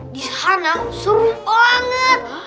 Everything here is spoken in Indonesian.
disana seru banget